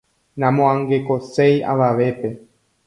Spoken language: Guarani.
Namoangekoiséi avavépe.